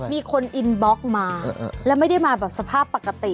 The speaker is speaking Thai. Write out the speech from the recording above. มีคนอินบล็อกมาแล้วไม่ได้มาแบบสภาพปกติ